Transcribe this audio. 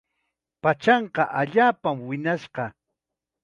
Pachanqa allaapam wiñashqa.